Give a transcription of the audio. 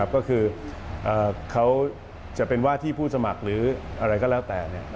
ก็คือเขาจะเป็นว่าที่ผู้สมัครหรืออะไรก็แล้วแต่